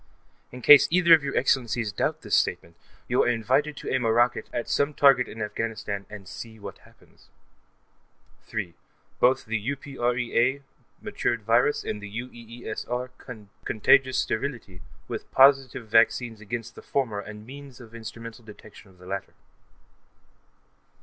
In case either of your Excellencies doubt this statement, you are invited to aim a rocket at some target in Afghanistan and see what happens. 3.) Both the UPREA mutated virus and the UEESR contagious sterility, with positive vaccines against the former and means of instrumental detection of the latter.